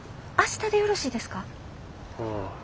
明日でよろしいですか？